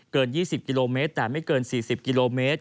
เกิน๒๐กิโลเมตรแต่ไม่เกิน๔๐กิโลเมตร